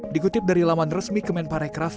dikutip dari laman resmi kemenparekraf